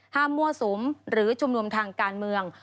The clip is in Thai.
มั่วสุมหรือชุมนุมทางการเมือง